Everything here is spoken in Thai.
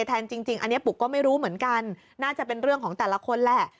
แทนจริงอันนี้ปุ๊กก็ไม่รู้เหมือนกันน่าจะเป็นเรื่องของแต่ละคนแหละ